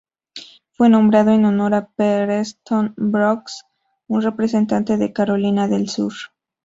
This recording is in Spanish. Fue nombrado en honor a Preston Brooks, un representante de Carolina del Sur.